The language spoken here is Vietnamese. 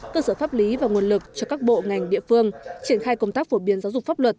cơ sở pháp lý và nguồn lực cho các bộ ngành địa phương triển khai công tác phổ biến giáo dục pháp luật